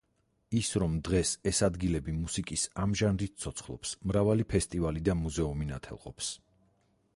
ის რომ დღეს ეს ადგილები მუსიკის ამ ჟანრით ცოცხლობს მრავალი ფესტივალი და მუზეუმი ნათელყოფს.